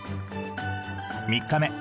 ３日目